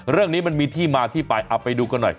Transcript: เรื่องนี้มันมีที่มาที่ไปเอาไปดูกันหน่อย